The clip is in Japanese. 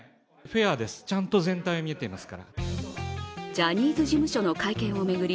ジャニーズ事務所の会見を巡り